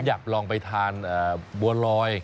อยากลองไปทานบัวลอย